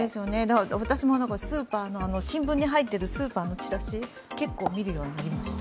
私もスーパーの新聞に入っているスーパーのチラシ、結構見るようになりました。